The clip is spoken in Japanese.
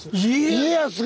家康が⁉